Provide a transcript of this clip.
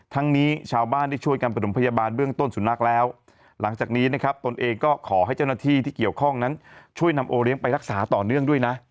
นี้ชาวบ้านได้ช่วยกันประถมพยาบาลเบื้องต้นสุนัขแล้วหลังจากนี้นะครับตนเองก็ขอให้เจ้าหน้าที่ที่เกี่ยวข้องนั้นช่วยนำโอเลี้ยงไปรักษาต่อเนื่องด้วยนะ